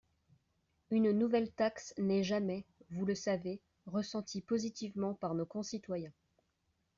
Une nouvelle taxe n’est jamais, vous le savez, ressentie positivement par nos concitoyens.